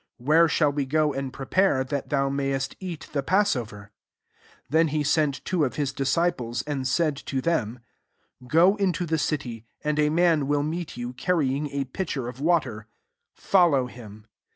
<^ Where ! shall we go and prepare, that thou mayesteat the passover P* 15 Then he sent two of his dis* ;ciples,^ and said to them, ^< Gro into the city, and a man will meet you, carrying a pitcher of water: follow him.